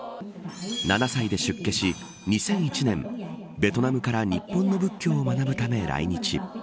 ７歳で出家し、２００１年ベトナムから日本の仏教を学ぶため来日。